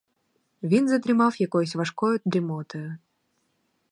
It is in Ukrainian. Він задрімав якоюсь важкою дрімотою.